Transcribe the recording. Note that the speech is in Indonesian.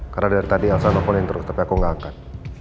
karena dari tadi elsa nelfonin terus tapi aku gak angkat